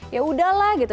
ya udahlah gitu